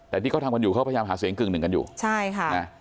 แต่ที่เขาทำกันอยู่เขาพยายามหาเสียงกึ่งหนึ่งกันอยู่ใช่ค่ะนะ